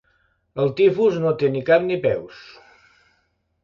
El tifus no té ni cap ni peus.